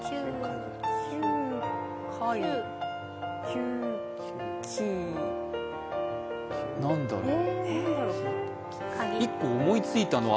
９何だろう。